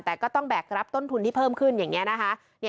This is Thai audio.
แต่ก็ต้องแบกรับต้นทุนที่เพิ่มขึ้นอย่างนี้นะคะ